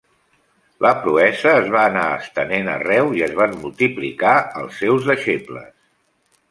La proesa es va anar estenent arreu i es van multiplicar els seus deixebles.